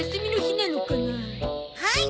はい。